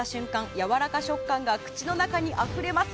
やわらか食感が口の中にあふれます。